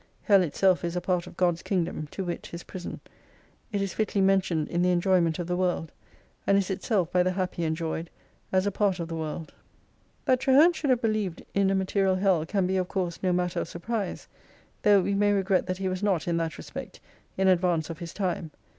Hell itself is a part of God's kingdom, to wit His prison. It is fitly mentioned in the enjoyment of the world : And is itself by the happy enjoyed, as a part of the world." That Traherne should have believed in a material hell, can be, of course, no matter of surprise ; though we may regret that he was not, in that respect, in ad vance of his time.